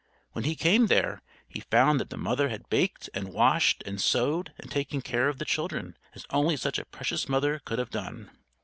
When he came there, he found that the mother had baked and washed and sewed and taken care of the children, as only such a precious mother could have done.